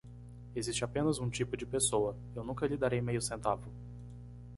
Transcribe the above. Existe apenas um tipo de pessoa, eu nunca lhe darei meio centavo.